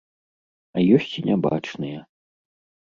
А ёсць і нябачныя.